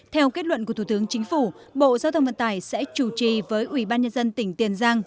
theo kết luận của thủ tướng chính phủ bộ giao thông vận tải sẽ chủ trì với ủy ban nhân dân tỉnh tiền giang